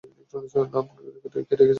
নাম কে রেখেছে?